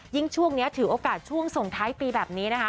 ช่วงนี้ถือโอกาสช่วงส่งท้ายปีแบบนี้นะคะ